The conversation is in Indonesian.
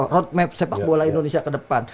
road map sepak bola indonesia ke depan